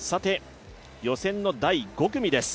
予選の第５組です。